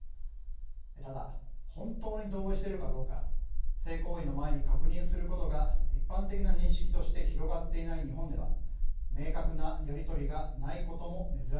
ただ本当に同意しているかどうか性行為の前に確認することが一般的な認識として広がっていない日本では明確なやり取りがないことも珍しくありません。